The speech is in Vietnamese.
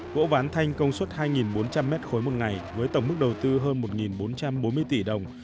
gỗ ván thanh công suất hai bốn trăm linh m ba một ngày với tổng mức đầu tư hơn một bốn trăm bốn mươi tỷ đồng